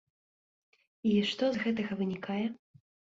І што з гэтага вынікае?